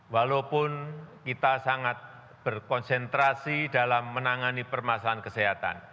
walaupun kita sangat berkonsentrasi dalam menangani permasalahan kesehatan